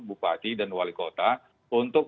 bupati dan wali kota untuk